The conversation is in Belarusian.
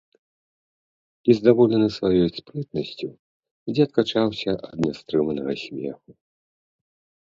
І, здаволены сваёй спрытнасцю, дзед качаўся ад нястрыманага смеху.